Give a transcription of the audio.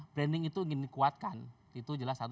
branding itu ingin dikuatkan itu jelas satu